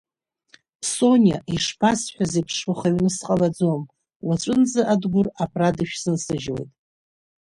Сониа, ишбасҳәаз еиԥш, уаха аҩны сҟа-лаӡом, уаҵәынӡа Адгәыр абра дышәзынсыжьуеит.